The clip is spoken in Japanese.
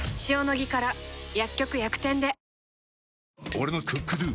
俺の「ＣｏｏｋＤｏ」！